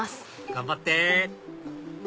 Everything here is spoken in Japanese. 頑張って！